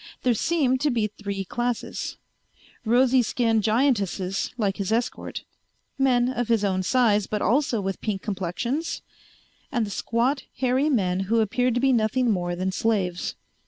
There seemed to be three classes: rosy skinned giantesses like his escort; men of his own size, but also with pink complexions; and the squat, hairy men who appeared to be nothing more than slaves.